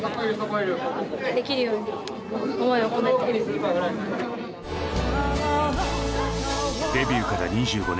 平和なデビューから２５年。